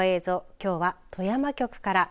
きょうは富山局から。